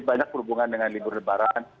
banyak berhubungan dengan libur lebaran